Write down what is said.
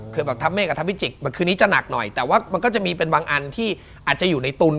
คือแบบทัพเมษกับทัพวิจิกคืนนี้จะหนักหน่อยแต่ว่ามันก็จะมีบางอันที่อาจจะอยู่ในตุ้น